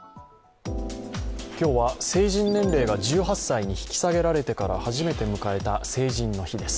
今日は成人年齢が１８歳に引き下げられてから初めて迎えた成人の日です。